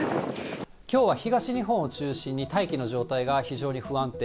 きょうは東日本を中心に大気の状態が非常に不安定。